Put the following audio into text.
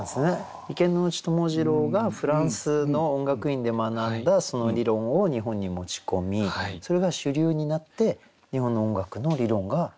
池内友次郎がフランスの音楽院で学んだ理論を日本に持ち込みそれが主流になって日本の音楽の理論が成り立っている。